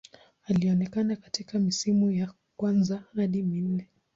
Alionekana katika misimu ya kwanza hadi minne.